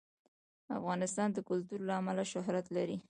افغانستان د کلتور له امله شهرت لري.